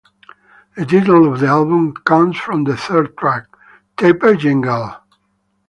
The title of the album comes from the third track, "Taper Jean Girl".